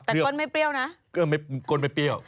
แต่ก้นไม่เปรี้ยวนะ